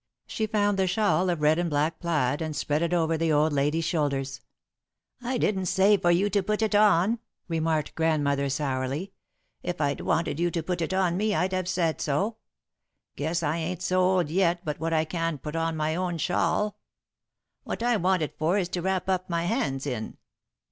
She found the shawl, of red and black plaid, and spread it over the old lady's shoulders. "I didn't say for you to put it on," remarked Grandmother, sourly. "If I'd wanted you to put it on me, I'd have said so. Guess I ain't so old yet but what I can put on my own shawl. What I want it for is to wrap up my hands in."